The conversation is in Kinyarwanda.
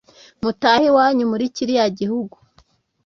mutahe iwanyu muri kiriya gihugu